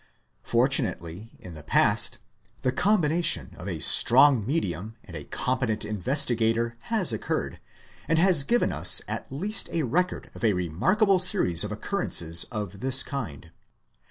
Fortunately, in the past, the combination of a strong medium and a competent investigator has occurred, and has given us at least a record of a remarkable series of occurrences of this kind.